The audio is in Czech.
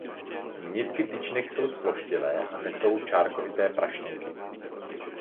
Nitky tyčinek jsou zploštělé a nesou čárkovité prašníky.